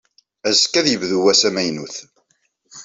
Azekka, ad yebdu wass amaynut.